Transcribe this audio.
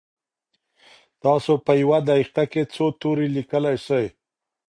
تاسو په یوه دقیقه کي څو توري لیکلی سئ؟